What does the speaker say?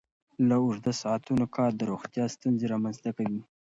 د اوږده ساعتونو کار د روغتیا ستونزې رامنځته کوي.